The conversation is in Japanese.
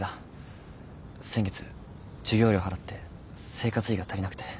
先月授業料払って生活費が足りなくて。